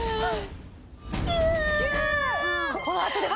このあとですね。